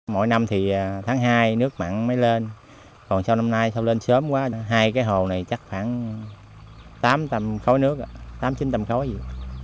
mỗi năm thì tháng hai nước mặn mới lên còn sau năm nay sau lên sớm quá hai cái hồ này chắc khoảng tám tầm khói nước tám chín tầm khói gì